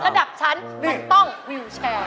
ระดับฉันมันต้องวิวแชร์